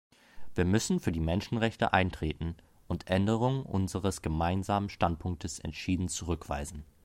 Wir müssen für die Menschenrechte eintreten und Änderungen unseres Gemeinsamen Standpunktes entschieden zurückweisen.